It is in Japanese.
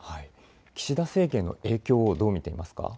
岸田政権への影響、どう見ていますか。